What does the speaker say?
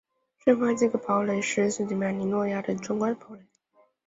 圣方济各堡垒是圣吉米尼亚诺的一座壮观的堡垒。